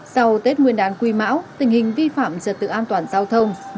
sau tết nguyên đàn quỳ mão tình hình vi phạm sự tự an toàn giao thông